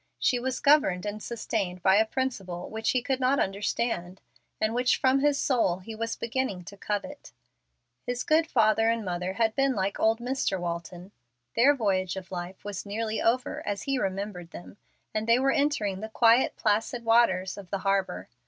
She was governed and sustained by a principle which he could not understand, and which from his soul he was beginning to covet. His good father and mother had been like old Mr. Walton. Their voyage of life was nearly over as he remembered them, and they were entering the quiet, placid waters of the harbor.